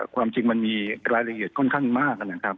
ความจริงมันมีรายละเอียดค่อนข้างมากนะครับ